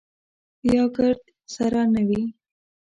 یا ګرد سره نه وي.